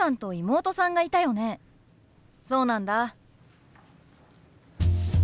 そうなんだ。